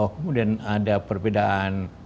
kemudian ada perbedaan